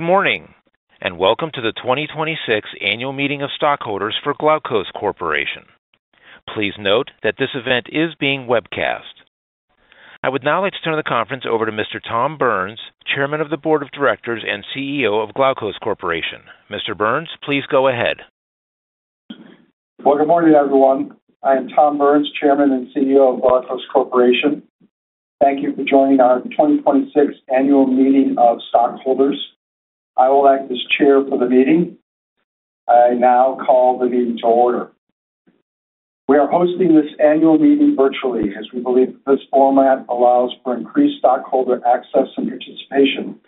Good morning. Welcome to the 2026 annual meeting of stockholders for Glaukos Corporation. Please note that this event is being webcast. I would now like to turn the conference over to Mr. Tom Burns, Chairman of the Board of Directors and CEO of Glaukos Corporation. Mr. Burns, please go ahead. Good morning, everyone. I am Tom Burns, Chairman and CEO of Glaukos Corporation. Thank you for joining our 2026 annual meeting of stockholders. I will act as chair for the meeting. I now call the meeting to order. We are hosting this annual meeting virtually as we believe that this format allows for increased stockholder access and participation.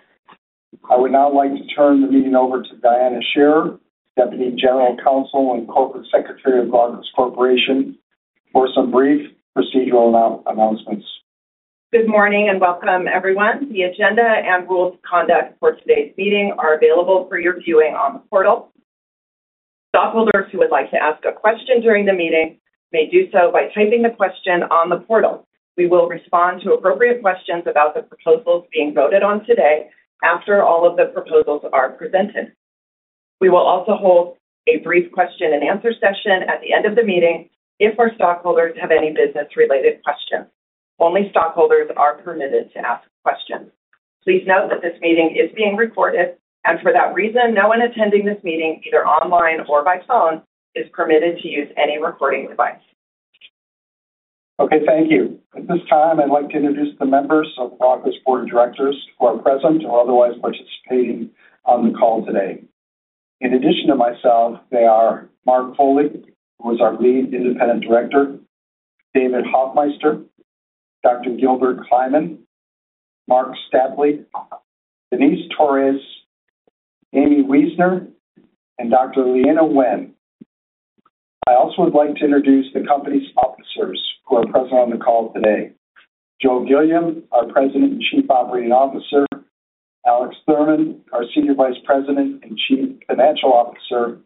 I would now like to turn the meeting over to Diana Scherer, Deputy General Counsel and Corporate Secretary of Glaukos Corporation, for some brief procedural announcements. Good morning and welcome, everyone. The agenda and rules of conduct for today's meeting are available for your viewing on the portal. Stockholders who would like to ask a question during the meeting may do so by typing the question on the portal. We will respond to appropriate questions about the proposals being voted on today after all of the proposals are presented. We will also hold a brief question and answer session at the end of the meeting if our stockholders have any business-related questions. Only stockholders are permitted to ask questions. Please note that this meeting is being recorded, and for that reason, no one attending this meeting, either online or by phone, is permitted to use any recording device. Okay, thank you. At this time, I'd like to introduce the members of Glaukos' board of directors who are present or otherwise participating on the call today. In addition to myself, they are Mark Foley, who is our Lead Independent Director, David Hoffmeister, Dr. Gilbert Kliman, Marc Stapley, Denice Torres, Aimee Weisner, and Dr. Leana Wen. I also would like to introduce the company's officers who are present on the call today. Joe Gilliam, our President and Chief Operating Officer, Alex Thurman, our Senior Vice President and Chief Financial Officer,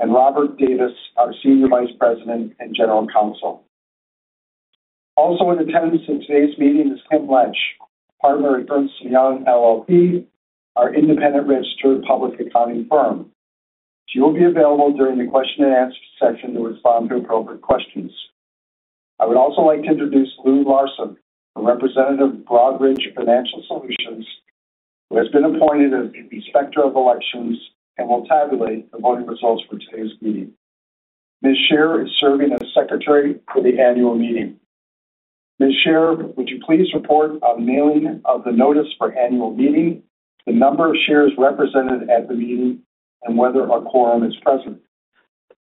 and Robert Davis, our Senior Vice President and General Counsel. Also in attendance at today's meeting is Kim Lensch, partner at Ernst & Young LLP, our independent registered public accounting firm. She will be available during the question and answer section to respond to appropriate questions. I would also like to introduce Lou Larson, a representative of Broadridge Financial Solutions, who has been appointed as the Inspector of Elections and will tabulate the voting results for today's meeting. Ms. Scherer is serving as Secretary for the annual meeting. Ms. Scherer, would you please report on the mailing of the notice for annual meeting, the number of shares represented at the meeting, and whether a quorum is present?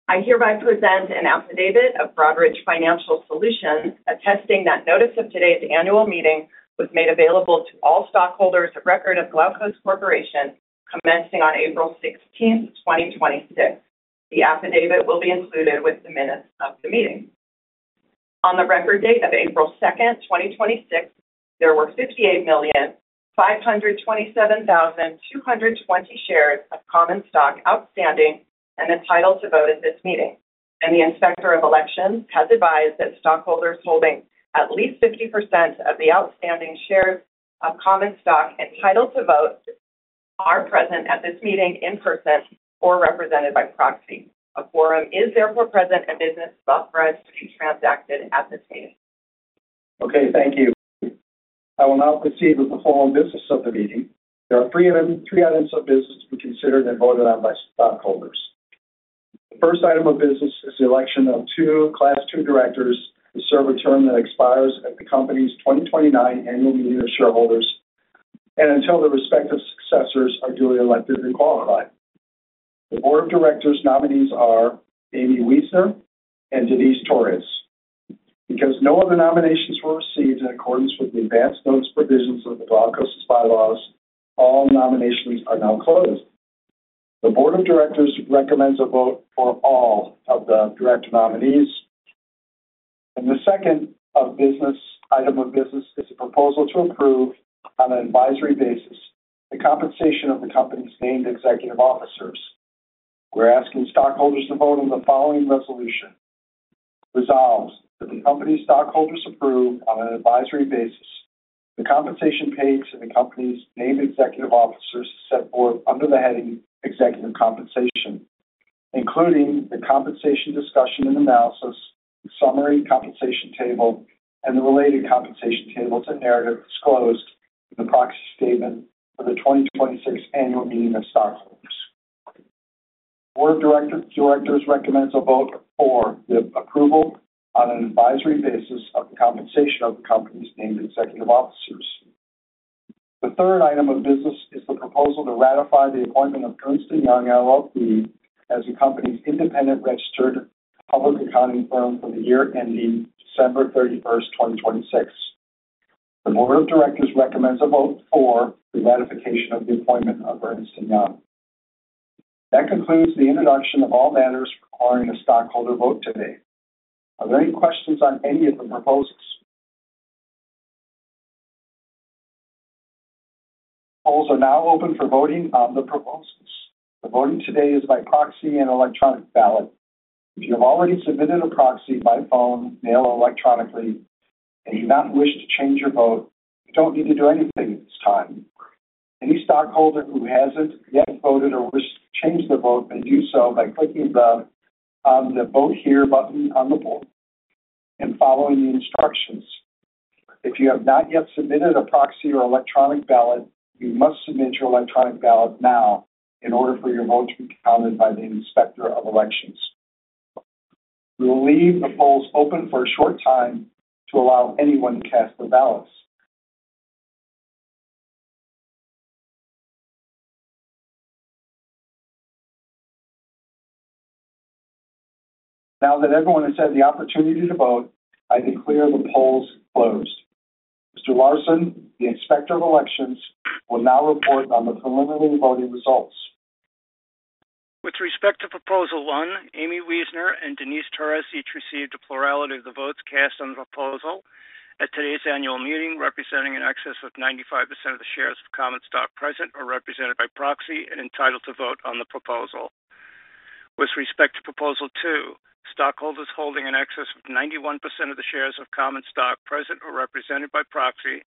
I hereby present an affidavit of Broadridge Financial Solutions attesting that notice of today's annual meeting was made available to all stockholders of record of Glaukos Corporation commencing on April 16th, 2026. The affidavit will be included with the minutes of the meeting. On the record date of April 2nd, 2026, there were 58,527,220 shares of common stock outstanding and entitled to vote at this meeting. The Inspector of Elections has advised that stockholders holding at least 50% of the outstanding shares of common stock entitled to vote are present at this meeting in person or represented by proxy. A quorum is therefore present and business is authorized to be transacted at this meeting. Okay, thank you. I will now proceed with the formal business of the meeting. There are three items of business to be considered and voted on by stockholders. The first item of business is the election of two Class II directors to serve a term that expires at the company's 2029 annual meeting of shareholders and until their respective successors are duly elected and qualified. The Board of Directors' nominees are Aimee Weisner and Denice Torres. No other nominations were received in accordance with the advance notice provisions of the Glaukos bylaws, all nominations are now closed. The Board of Directors recommends a vote for all of the director nominees. The second item of business is a proposal to approve, on an advisory basis, the compensation of the company's named executive officers. We're asking stockholders to vote on the following resolution. Resolved: That the company's stockholders approve, on an advisory basis, the compensation paid to the company's named executive officers set forth under the heading Executive Compensation, including the compensation discussion and analysis, the summary compensation table, and the related compensation table and narratives disclosed in the proxy statement for the 2026 annual meeting of stockholders. Board of Directors recommends a vote for the approval on an advisory basis of the compensation of the company's named executive officers. The third item of business is the proposal to ratify the appointment of Ernst & Young LLP as the company's independent registered public accounting firm for the year ending December 31st, 2026. The Board of Directors recommends a vote for the ratification of the appointment of Ernst & Young. That concludes the introduction of all matters requiring a stockholder vote today. Are there any questions on any of the proposals? Polls are now open for voting on the proposals. The voting today is by proxy and electronic ballot. If you have already submitted a proxy by phone, mail, or electronically, and you do not wish to change your vote, you don't need to do anything at this time. Any stockholder who hasn't yet voted or wishes to change their vote may do so by clicking the Vote Here button on the poll and following the instructions. If you have not yet submitted a proxy or electronic ballot, you must submit your electronic ballot now in order for your vote to be counted by the Inspector of Elections. We will leave the polls open for a short time to allow anyone to cast their ballots. Now that everyone has had the opportunity to vote, I declare the polls closed. Mr. Larson, the Inspector of Elections, will now report on the preliminary voting results. With respect to Proposal 1, Aimee Weisner and Denice Torres each received a plurality of the votes cast on the proposal at today's annual meeting, representing in excess of 95% of the shares of common stock present or represented by proxy and entitled to vote on the proposal. With respect to Proposal 2, stockholders holding in excess of 91% of the shares of common stock present or represented by proxy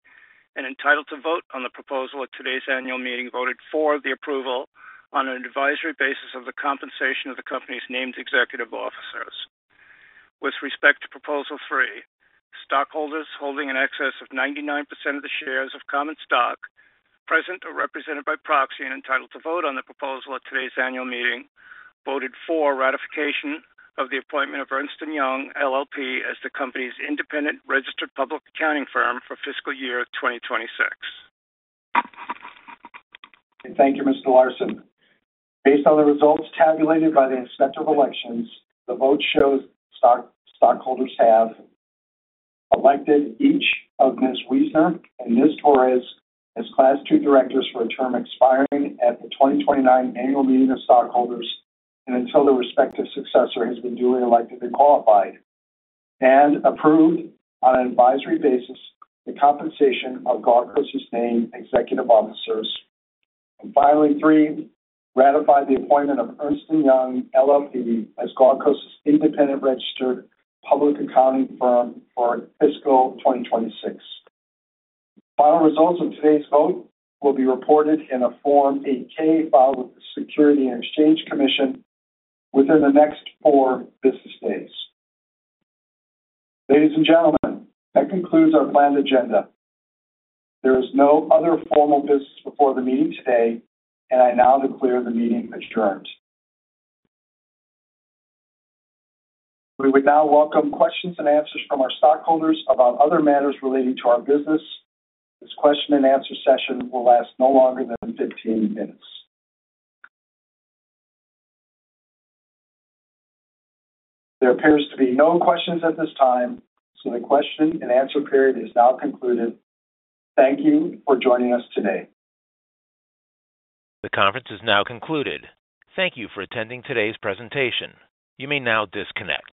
and entitled to vote on the proposal at today's annual meeting voted for the approval on an advisory basis of the compensation of the company's named executive officers. With respect to Proposal 3, stockholders holding in excess of 99% of the shares of common stock present or represented by proxy and entitled to vote on the proposal at today's annual meeting voted for ratification of the appointment of Ernst & Young LLP as the company's independent registered public accounting firm for fiscal year 2026. Thank you, Mr. Larson. Based on the results tabulated by the Inspector of Elections, the vote shows stockholders have elected each of Ms. Weisner and Ms. Torres as Class II directors for a term expiring at the 2029 Annual Meeting of Stockholders and until their respective successor has been duly elected and qualified. Approved on an advisory basis the compensation of Glaukos' named executive officers. Finally, three, ratified the appointment of Ernst & Young LLP as Glaukos' independent registered public accounting firm for fiscal 2026. Final results of today's vote will be reported in a Form 8-K filed with the Securities and Exchange Commission within the next four business days. Ladies and gentlemen, that concludes our planned agenda. There is no other formal business before the meeting today, and I now declare the meeting adjourned. We would now welcome questions and answers from our stockholders about other matters relating to our business. This question and answer session will last no longer than 15 minutes. There appears to be no questions at this time, so the question and answer period is now concluded. Thank you for joining us today. The conference is now concluded. Thank you for attending today's presentation. You may now disconnect.